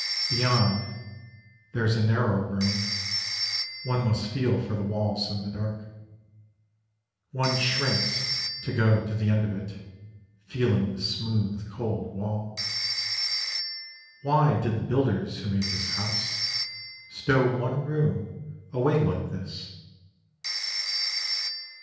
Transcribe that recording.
Beyond, There is a narrow room, One must feel for the walls in the dark. One shrinks to go To the end of it, Feeling the smooth cold wall. Why did the builders who made this house, Stow one room away like this?